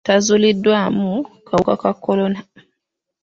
Tazuuliddwamu kawuka ka Kolona.